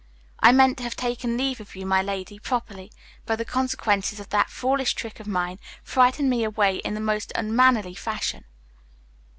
I meant to have taken leave of you, my lady, properly, but the consequences of that foolish trick of mine frightened me away in the most unmannerly fashion."